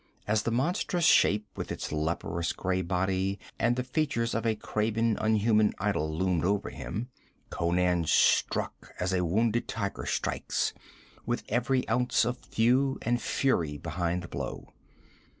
As the monstrous shape with its leprous gray body and the features of a carven, unhuman idol loomed over him, Conan struck as a wounded tiger strikes, with every ounce of thew and fury behind the blow.